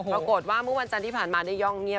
เมื่อวันจันทร์ที่ผ่านมาได้ย่องเงียบ